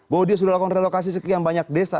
bahwa dia sudah lakukan relokasi sekian banyak desa